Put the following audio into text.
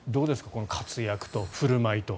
この活躍と、振る舞いと。